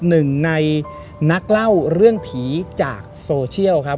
หนึ่งในนักเล่าเรื่องผีจากโซเชียลครับ